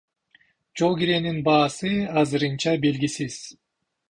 Жол киренин баасы азырынча белгисиз.